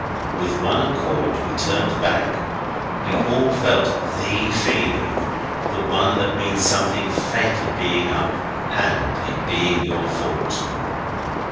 With one accord we turned back. We all felt THE feeling the one that means something fatal being up and it being your fault.